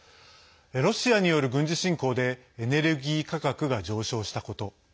ロシアによる軍事侵攻でエネルギー価格が上昇したこと。